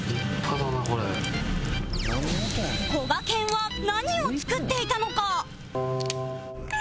こがけんは何を作っていたのか？